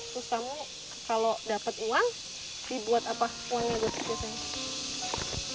sustamu kalau dapat uang dibuat apa uangnya buat kebiasaan